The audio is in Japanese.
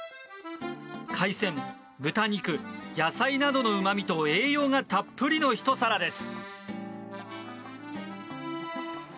海鮮、豚肉、野菜などのうま味と栄養がたっぷりのひと皿です。